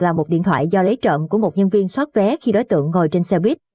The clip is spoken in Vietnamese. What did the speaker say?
là một điện thoại do lấy trộm của một nhân viên xoát vé khi đối tượng ngồi trên xe buýt